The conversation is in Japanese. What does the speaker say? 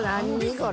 これ。